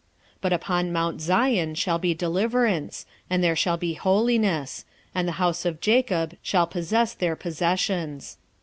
1:17 But upon mount Zion shall be deliverance, and there shall be holiness; and the house of Jacob shall possess their possessions.